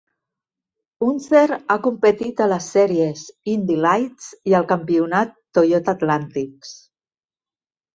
Unser ha competit a les sèries Indy Lights i al campionat Toyota Atlantics.